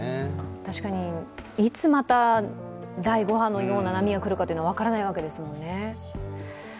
確かに、いつ、また第５波のような波が来るか分からないわけですものね。